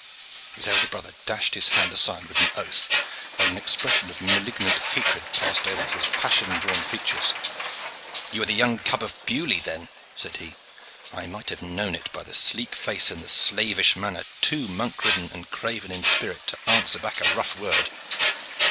His elder brother dashed his hand aside with an oath, while an expression of malignant hatred passed over his passion drawn features. "You are the young cub of Beaulieu, then," said he. "I might have known it by the sleek face and the slavish manner too monk ridden and craven in spirit to answer back a rough word.